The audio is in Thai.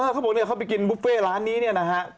เขาบอกว่าเข้าไปกินบุฟเฟต์ร้านนี้นะครับ